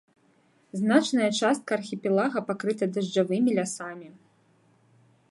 Значная частка архіпелага пакрыта дажджавымі лясамі.